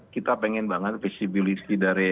kita pengen banget visibility dari